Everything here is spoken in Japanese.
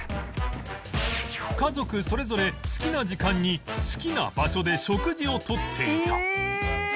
家族それぞれ好きな時間に好きな場所で食事を取っていた